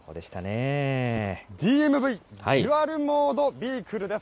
ＤＭＶ・デュアル・モード・ビークルです。